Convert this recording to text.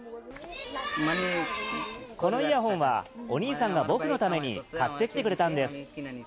このイヤホンはお兄さんが僕のために買ってきてくれたんです。